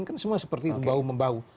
kan semua seperti itu bau membau